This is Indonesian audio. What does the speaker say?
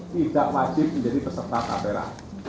tidak wajib menjadi peserta kapera